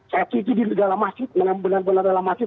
saat itu di dalam masjid benar benar dalam masjid